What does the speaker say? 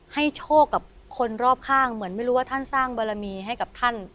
โชคกับคนรอบข้างเหมือนไม่รู้ว่าท่านสร้างบารมีให้กับท่าน